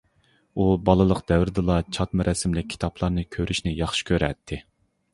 ئۇ بالىلىق دەۋرىدىلا چاتما رەسىملىك كىتابلارنى كۆرۈشنى ياخشى كۆرەتتى.